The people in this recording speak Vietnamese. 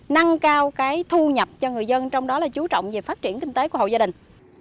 nâng cao cái thu nhập cho người dân trong đó là chú trọng về phát triển kinh tế của hộ gia đình